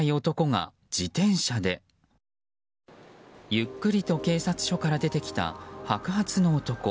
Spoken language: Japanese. ゆっくりと警察署から出てきた白髪の男。